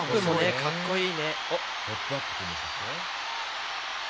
かっこいい！